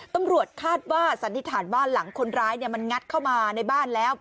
ตำรวจคาดว่าสันนิษฐานว่าหลังคนร้ายมันงัดเข้ามาในบ้านแล้ว